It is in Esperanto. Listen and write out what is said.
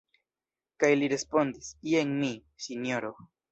Kaj li respondis: Jen mi, Sinjoro.